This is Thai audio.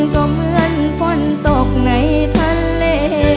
ก็เหมือนฝนตกในทะเล